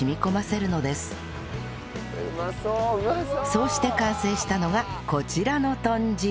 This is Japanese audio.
そうして完成したのがこちらの豚汁